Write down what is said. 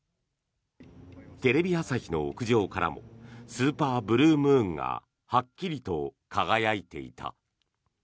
テレビ朝日の屋上からもスーパーブルームーンがはっきりと輝いていた。